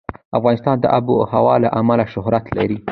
افغانستان د آب وهوا له امله شهرت لري.